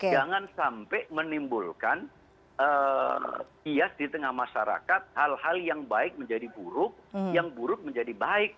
jangan sampai menimbulkan bias di tengah masyarakat hal hal yang baik menjadi buruk yang buruk menjadi baik